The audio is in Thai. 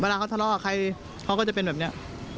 เขาทะเลาะกับใครเขาก็จะเป็นแบบนี้